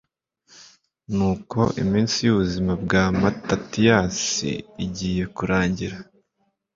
nuko iminsi y'ubuzima bwa matatiyasi igiye kurangira